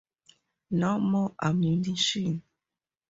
No more ammunition.